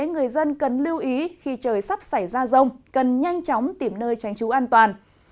nên cần lưu ý khi trời sắp xảy ra rông cần nhanh chóng tìm nơi tránh chú an toàn